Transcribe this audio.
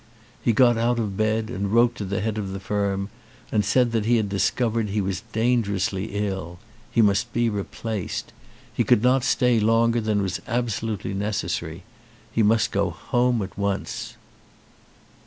He got out of bed and wrote to the head of the firm and said he had discovered he was dangerously ill. He must be replaced. He could not stay longer than was absolutely necessary. He must go home at once.